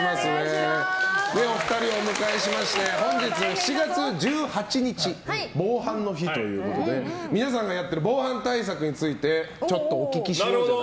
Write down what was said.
お二人をお迎えしまして本日７月１８日防犯の日ということで皆さんがやってる防犯対策についてお聞きしようと。